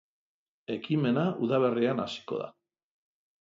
Ekimena udaberrian hasiko da.